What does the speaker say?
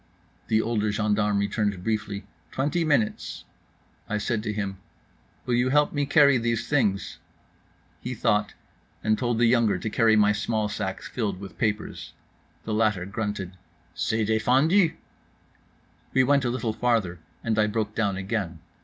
The older gendarme returned briefly, "Twenty minutes." I said to him: "Will you help me carry these things?" He thought, and told the younger to carry my small sack filled with papers. The latter grunted, "C'est défendu." We went a little farther, and I broke down again.